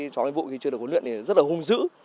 chó nghiệp vụ khi chưa được huấn luyện thì rất là hung dữ